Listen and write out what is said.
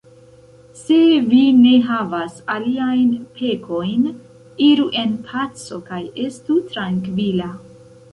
Se vi ne havas aliajn pekojn, iru en paco kaj estu trankvila!